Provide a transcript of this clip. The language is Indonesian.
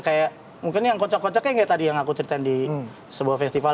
kayak mungkin yang kocok kocoknya kayak tadi yang aku ceritain di sebuah festival